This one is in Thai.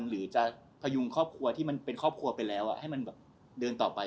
หรือจะพยุงครอบครัวที่มันเป็นครอบครัวไปแล้วให้มันแบบเดินต่อไป